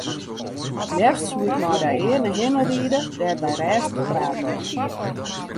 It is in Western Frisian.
Leafst soe ik mei dy earne hinne ride dêr't wy rêstich prate kinne.